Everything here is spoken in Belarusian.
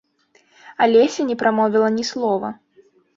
Алеся не прамовіла ні слова.